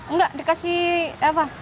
nggak dikasih apa